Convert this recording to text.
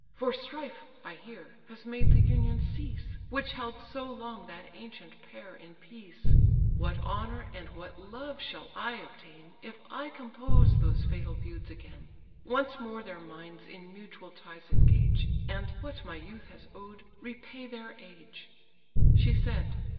For strife, I hear, has made the union cease, Which held so long that ancient pair in peace. What honour, and what love, shall I obtain, If I compose those fatal feuds again; Once more their minds in mutual ties engage, And, what my youth has owed, repay their age!" She said.